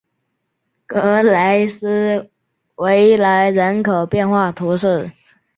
格雷斯维莱人口变化图示